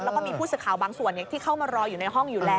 แล้วก็มีผู้สื่อข่าวบางส่วนที่เข้ามารออยู่ในห้องอยู่แล้ว